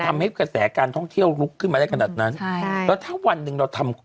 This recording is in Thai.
ทำให้กระแสการท่องเที่ยวลุกขึ้นมาได้ขนาดนั้นใช่ค่ะแล้วถ้าวันหนึ่งเราทำ